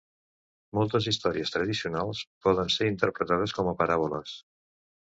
Moltes històries tradicionals poden ser interpretades com a paràboles.